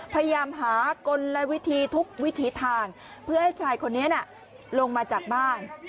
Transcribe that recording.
พยายามหากลวิธีทุกวิถีทางเพื่อให้ชายคนนี้ลงมาจากบ้าน